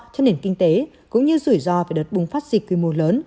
cho nền kinh tế cũng như rủi ro về đợt bùng phát dịch quy mô lớn